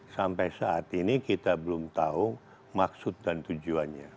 sampai saat ini kita belum tahu maksud dan tujuannya